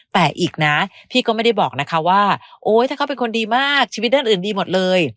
แต่อีกนะพี่ก็ไม่ได้บอกนะคะว่าโอ๊ยถ้าเขาเป็นคนดีมากชีวิตด้านอื่นดีหมดเลย